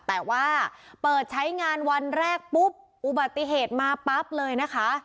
แต่ว่าเปิดใช้งานวันแรกปุ๊บอุบัติเหตุมาปั๊บเลยนะคะ